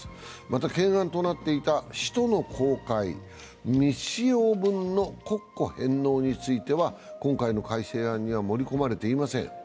また、懸案となっていた使途の公開未使用分の国庫返納については今回の改正案には盛り込まれていません。